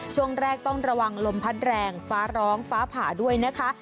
ช่วงแรกต้องระวังลมพัดแรงฟ้าร้องฟ้าผ่าด้วยนะคะ